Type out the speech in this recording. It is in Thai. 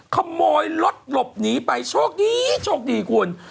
ขโมยรถหลบหนีไปโชคดีโชคดีคุณ